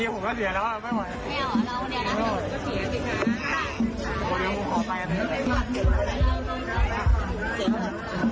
หลอกเปิดได้ไหม